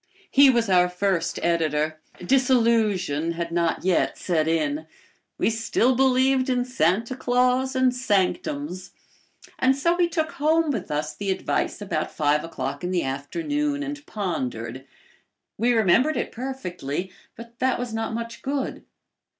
He was our first editor. Disillusion had not yet set in. We still believed in Santa Claus and sanctums. And so we took home with us the advice about five o'clock and pondered. We remembered it perfectly, but that was not much good.